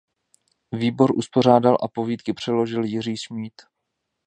Výbor uspořádal a povídky přeložil Jiří Šmíd.